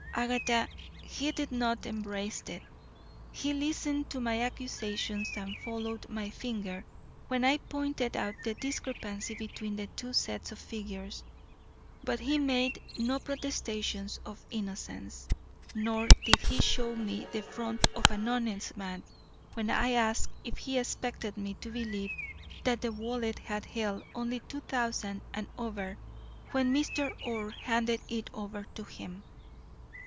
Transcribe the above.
Agatha, he did not embrace it. He listened to my accusations and followed my finger when I pointed out the discrepancy between the two sets of figures, but he made no protestations of innocence, nor did he show me the front of an honest man when I asked if he expected me to believe that the wallet had held only two thousand and over when Mr. Orr handed it over to him.